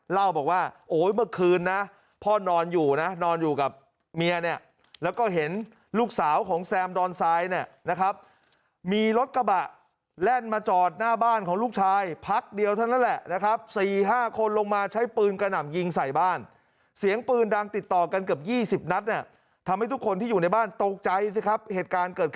เล่าบอกว่าโอ้ยเมื่อคืนนะพ่อนอนอยู่นะนอนอยู่กับเมียเนี่ยแล้วก็เห็นลูกสาวของแซมดอนทรายเนี่ยนะครับมีรถกระบะแล่นมาจอดหน้าบ้านของลูกชายพักเดียวเท่านั้นแหละนะครับ๔๕คนลงมาใช้ปืนกระหน่ำยิงใส่บ้านเสียงปืนดังติดต่อกันเกือบ๒๐นัดเนี่ยทำให้ทุกคนที่อยู่ในบ้านตกใจสิครับเหตุการณ์เกิด